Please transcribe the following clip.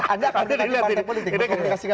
anda akan nanti di partai politik